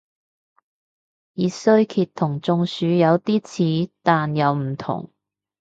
熱衰竭同中暑有啲似但又唔同